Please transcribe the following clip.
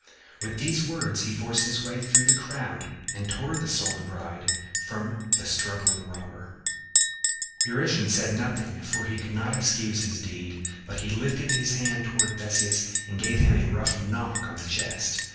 With these words he forced his way through the crowd and tore the stolen bride from the struggling robber. [Illustration: THE CENTAUR FELL BACKWARD] Eurytion said nothing, for he could not excuse his deed, but he lifted his hand toward Theseus and gave him a rough knock in the chest.